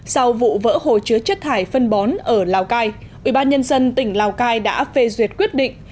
sau vụ vỡ hồ chứa chất thải phân bón ở lào cai ủy ban nhân dân tỉnh lào cai đã phê duyệt quyết định